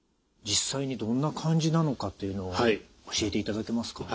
実際にどんな感じなのかというのを教えていただけますか？